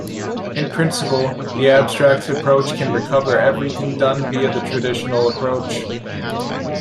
In principle the abstract approach can recover everything done via the traditional approach.